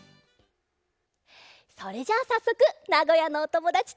それじゃあさっそくなごやのおともだちとあっそぼう！